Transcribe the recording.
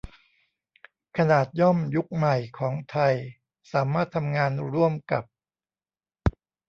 ขนาดย่อมยุคใหม่ของไทยสามารถทำงานร่วมกับ